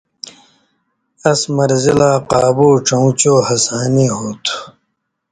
اَس مرضی لا قابُو ڇؤں چو ہسانی ہو تُھو